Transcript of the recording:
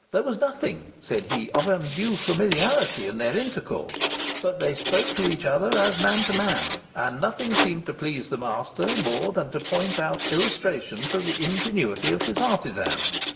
"There was nothing," said he, "of undue familiarity in their intercourse, but they spoke to each other as man to man; and nothing seemed to please the master more than to point out illustrations of the ingenuity of his artisans.